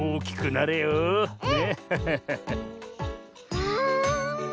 わあ。